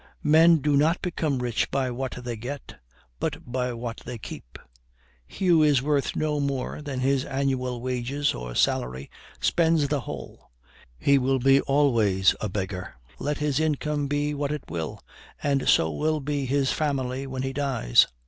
Men do not become rich by what they get, but by what they keep. He who is worth no more than his annual wages or salary, spends the whole; he will be always a beggar let his income be what it will, and so will be his family when he dies.